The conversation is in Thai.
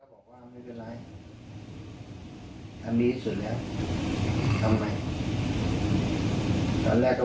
ให้มันเลิกกับไปทำสวนดีกว่า